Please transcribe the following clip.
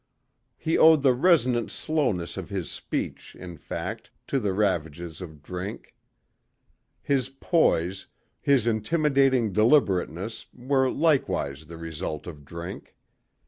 He owed the resonant slowness of his speech, in fact, to the ravages of drink. His poise, his intimidating deliberateness were likewise the result of drink.